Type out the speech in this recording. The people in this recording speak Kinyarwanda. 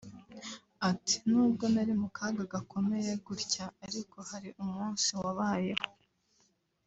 Ati “nubwo nari mu kaga gakomeye gutyo ariko hari umunsi wabayeho